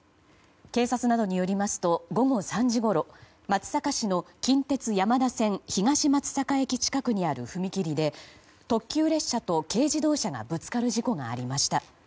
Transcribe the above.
警察などによりますと午後３時ごろ松阪市の近鉄山田線東松坂駅近くにある踏切で特急列車と軽自動車がぶつかる事故がありました。